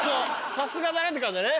さすがだねって感じだね？